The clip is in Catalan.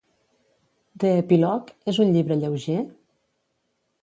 The Epilogue és un llibre lleuger?